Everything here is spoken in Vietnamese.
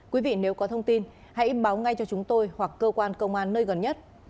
quý vị nếu có thông tin hãy báo ngay cho chúng tôi hoặc cơ quan công an nơi gần nhất